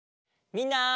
みんな。